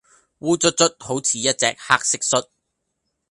烏卒卒好似一隻黑蟋蟀